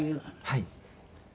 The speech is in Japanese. はい。